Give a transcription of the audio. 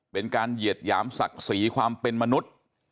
เหยียดหยามศักดิ์ศรีความเป็นมนุษย์